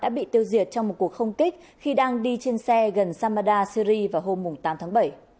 đã bị tiêu diệt trong một cuộc không kích khi đang đi trên xe gần samada syri vào hôm tám tháng bảy